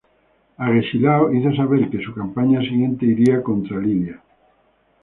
Agesilao hizo saber que su campaña siguiente iría contra Lidia.